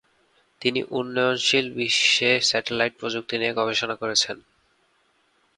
তিনি উন্নয়নশীল বিশ্বে স্যাটেলাইট প্রযুক্তি নিয়ে গবেষণা করেছেন।